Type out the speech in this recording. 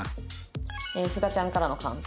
すがちゃんからの感想。